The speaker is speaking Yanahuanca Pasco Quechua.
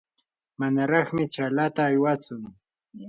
manaraqmi chaalata aywatsu.